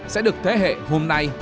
sẽ được thế hệ hôm nay